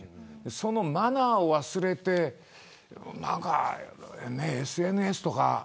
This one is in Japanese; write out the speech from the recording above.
そのマナーを忘れてＳＮＳとか。